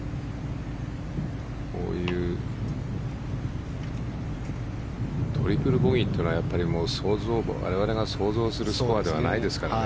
こういうトリプルボギーというのは我々が想像するスコアではないですからね。